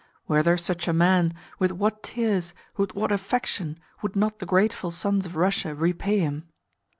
Were there such a man, with what tears, with what affection, would not the grateful sons of Russia repay him!